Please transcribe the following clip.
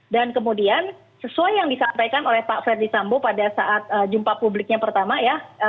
dan kemudian sesuai yang disampaikan oleh pak ferdisambo pada saat jumpa publiknya pertama ya